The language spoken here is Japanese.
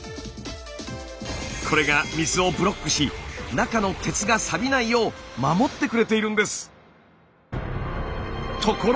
これが水をブロックし中の鉄がサビないよう守ってくれているんです。